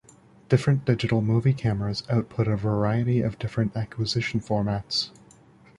Different digital movie cameras output a variety of different acquisition formats.